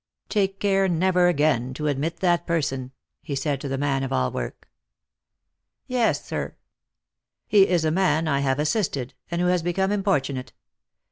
" Take care never again to admit that person," he said to the man of all work. " Yes, sir." " He is a man I have assisted, and who has become importu nate.